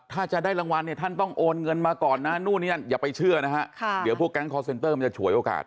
ถ้าจะได้รางวัลเนี่ยท่านต้องโอนเงินมาก่อนนะนู่นนี่นั่นอย่าไปเชื่อนะฮะเดี๋ยวพวกแก๊งคอร์เซ็นเตอร์มันจะฉวยโอกาส